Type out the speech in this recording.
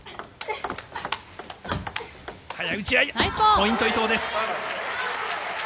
ポイント、伊藤です。